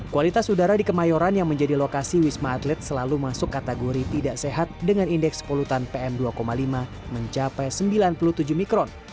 kualitas udara di kemayoran yang menjadi lokasi wisma atlet selalu masuk kategori tidak sehat dengan indeks polutan pm dua lima mencapai sembilan puluh tujuh mikron